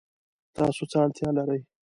تاسو څه اړتیا لرئ؟